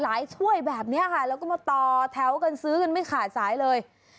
ช่วยแบบนี้ค่ะแล้วก็มาต่อแถวกันซื้อกันไม่ขาดสายเลย